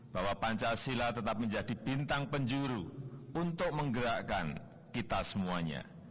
bahwa pancasila tetap menjadi bintang penjuru untuk menggerakkan kita semuanya